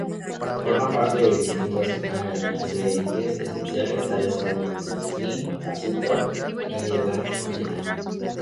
Forma parte de distintos aceites esenciales tales como el de jazmín, jacinto, e ylang-ylang.